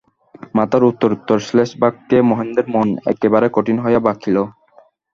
মাতার উত্তরোত্তর শ্লেষবাক্যে মহেন্দ্রের মন একেবারে কঠিন হইয়া বাঁকিল।